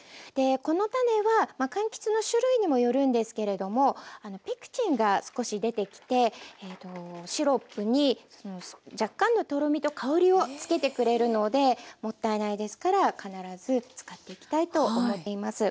この種はかんきつの種類にもよるんですけれどもペクチンが少し出てきてシロップに若干のとろみと香りをつけてくれるのでもったいないですから必ず使っていきたいと思っています。